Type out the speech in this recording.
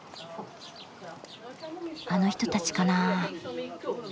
あの人たちかな？